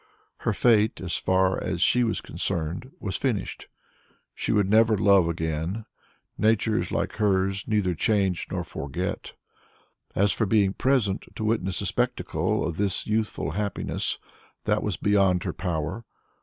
Her life, as far as she was concerned, was finished; she would never love again; natures like hers neither change nor forget. As for being present to witness the spectacle of this youthful happiness, that was beyond her power.